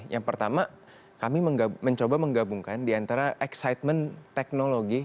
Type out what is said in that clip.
yang pertama kami mencoba menggabungkan diantara excitement teknologi